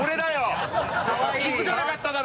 気付かなかっただろ！